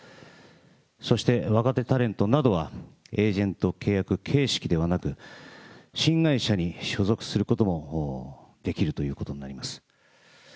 そして若手タレントなどは、エージェント契約形式ではなく、新会社に所属することもできるということになります。